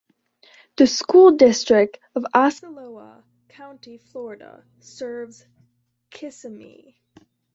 The School District of Osceola County, Florida serves Kissimmee.